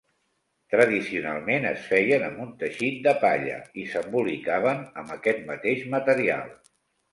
Tradicionalment es feien amb un teixit de palla, i s'embolicaven amb aquest mateix material.